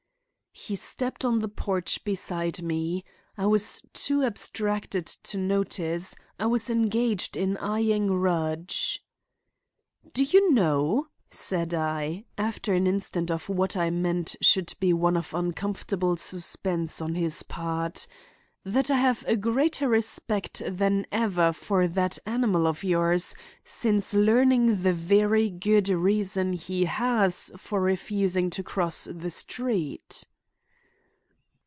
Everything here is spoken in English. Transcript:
He stepped on to the porch beside me. I was too abstracted to notice; I was engaged in eying Rudge. "Do you know," said I, after an instant of what I meant should be one of uncomfortable suspense on his part, "that I have a greater respect than ever for that animal of yours since learning the very good reason he has for refusing to cross the street?"